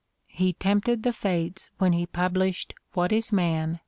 He tempted the fates when he published "What Is Man?"